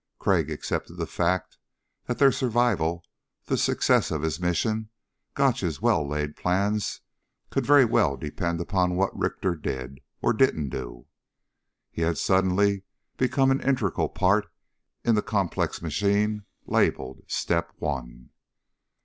Crag accepted the fact that their survival, the success of his mission Gotch's well laid plans could very well depend upon what Richter did. Or didn't do. He had suddenly become an integral part in the complex machine labeled STEP ONE.